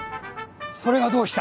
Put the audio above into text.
それがどうした！